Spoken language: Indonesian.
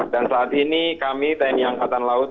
dan saat ini kami tni angkatan laut